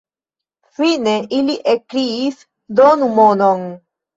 Fine ili ekkriis: donu monon!